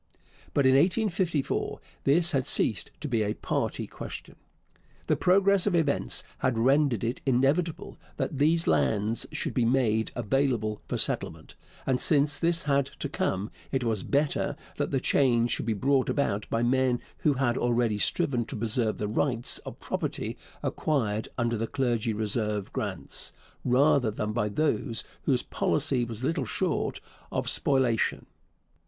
But in 1854 this had ceased to be a party question. The progress of events had rendered it inevitable that these lands should be made available for settlement; and since this had to come, it was better that the change should be brought about by men who had already striven to preserve the rights of property acquired under the Clergy Reserve grants, rather than by those whose policy was little short of spoliation.